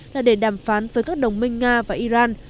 là để đàm phán với các đồng minh nga và iran